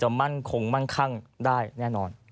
มั่นคงมั่งคั่งได้แน่นอน